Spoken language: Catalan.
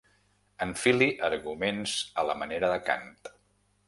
Enfili arguments a la manera de Kant.